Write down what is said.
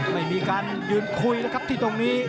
ไม่มีการยืนคุยแล้วครับที่ตรงนี้